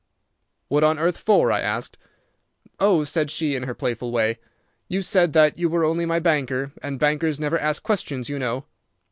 "'What on earth for?' I asked. "'Oh,' said she, in her playful way, 'you said that you were only my banker, and bankers never ask questions, you know.